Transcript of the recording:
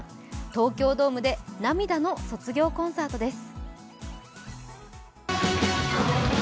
東京ドームで涙の卒業コンサートです。